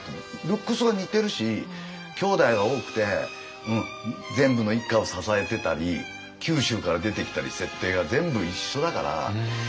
ルックスが似てるしきょうだいは多くて全部の一家を支えてたり九州から出てきたり設定が全部一緒だから。